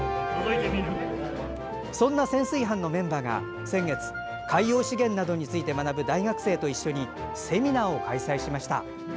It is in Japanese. そんな潜水班のメンバーが先月、海洋資源などについて学ぶ大学生と一緒にセミナーを開催しました。